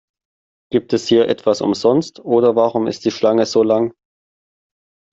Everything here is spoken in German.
Gibt es hier etwas umsonst, oder warum ist die Schlange so lang?